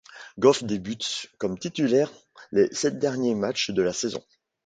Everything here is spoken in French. Goff débute comme titulaire les sept derniers matchs de la saison.